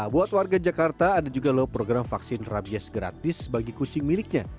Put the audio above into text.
buat warga jakarta ada juga loh program vaksin rabies gratis bagi kucing miliknya